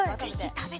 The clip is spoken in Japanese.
食べて。